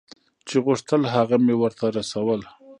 چې غوښتل هغه مې ورته رسول.